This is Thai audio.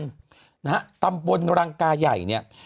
นะฮะตำบลรังกายใหญ่เนี่ย